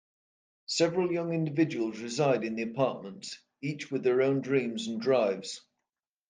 Several young individuals reside in the apartments, each with their own dreams and drives.